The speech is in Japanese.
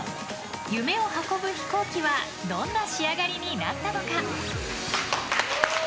夢を運ぶ飛行機はどんな仕上がりになったのか。